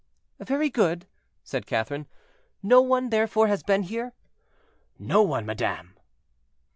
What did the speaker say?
"Very good," said Catherine; "no one, therefore, has been here?" "No one, madame."